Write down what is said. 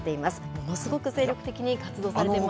ものすごく精力的に活動されています。